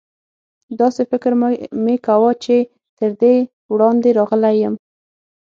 داسې فکر مې کاوه چې تر دې وړاندې راغلی یم.